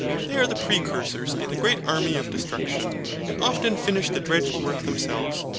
They are the precursors in the great army of destruction; and often finish the dreadful work themselves.